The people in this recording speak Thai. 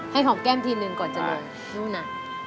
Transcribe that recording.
ให้หอมแก้มทีหนึ่งก่อนจะลงนู่น่ะ